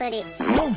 うん。